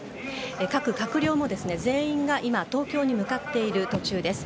各閣僚も全員が今、東京に向かっている途中です。